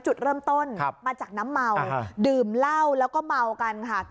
จุดเริ่มต้นมาจากน้ำเมาดื่มเหล้าแล้วก็เมากันค่ะ